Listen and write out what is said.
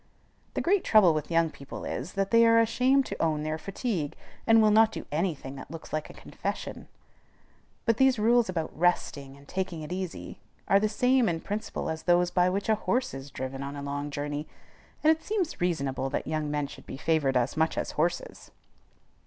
The great trouble with young people is, that they are ashamed to own their fatigue, and will not do any thing that looks like a confession. But these rules about resting, and "taking it easy," are the same in principle as those by which a horse is driven on a long journey; and it seems reasonable that young men should be favored as much as horses.